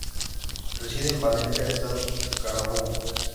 Reside en Valencia, estado Carabobo.